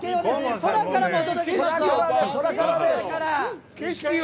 空からもお届けしますよ。